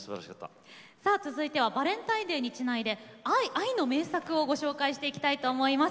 続いてはバレンタインデーにちなんで愛の名作をご紹介していきます。